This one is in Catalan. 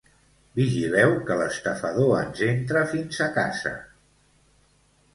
Vigileu que l'estafador ens entra fins a casa.